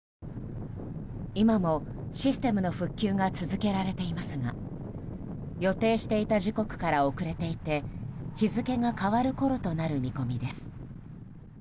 今もシステムの復旧が続けられていますが予定していた時刻から遅れていて日付が変わるころとなる見込みです。